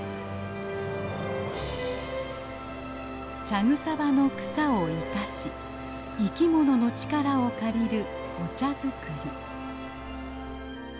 茶草場の草を生かし生きものの力を借りるお茶作り。